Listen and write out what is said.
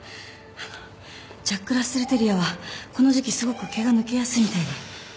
あのジャックラッセルテリアはこの時期すごく毛が抜けやすいみたいで。